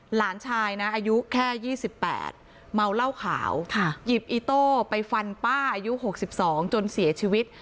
หลานชายนะอายุแค่๒๘เมาเหล้าขาวหยิบอีโต้ไปฟันป้าอายุ๖๒จนเสียชีวิต